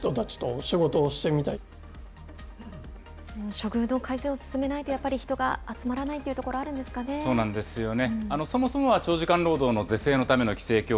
処遇の改善を進めないと、やっぱり人が集まらないというところ、そうなんですよね。